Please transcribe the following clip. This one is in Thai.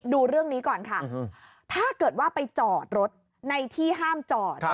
ดูเรื่องนี้ก่อนค่ะถ้าเกิดว่าไปจอดรถในที่ห้ามจอด